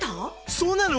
そうなの！？